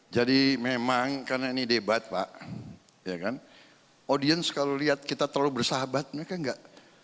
jadi memang karena ini debat pak audience kalau lihat kita terlalu bersahabat mereka enggak